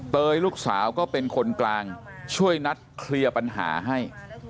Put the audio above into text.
เตยลูกสาวก็เป็นคนกลางช่วยนัดเคลียร์ปัญหาให้